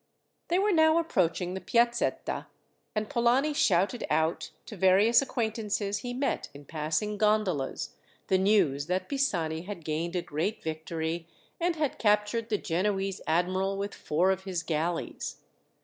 They were now approaching the Piazzetta, and Polani shouted out, to various acquaintances he met in passing gondolas, the news that Pisani had gained a great victory, and had captured the Genoese admiral with four of his galleys.